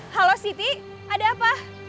halo siti ada apa